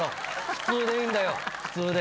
普通でいいんだよ。普通で。